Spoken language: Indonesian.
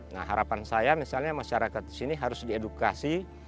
nah harapan saya misalnya masyarakat di sini harus diedukasi